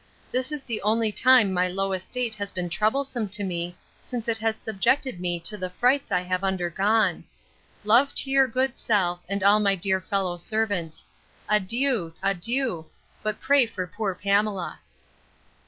This is the only time my low estate has been troublesome to me, since it has subjected me to the frights I have undergone. Love to your good self, and all my dear fellow servants. Adieu! adieu! but pray for poor PAMELA.